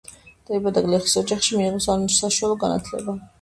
დაიბადა გლეხის ოჯახში, მიიღო საშუალო განათლება.